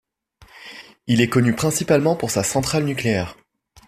Il est connu principalement pour sa centrale nucléaire.